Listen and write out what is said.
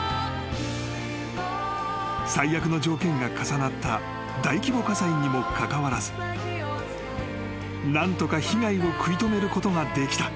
［最悪の条件が重なった大規模火災にもかかわらず何とか被害を食い止めることができた］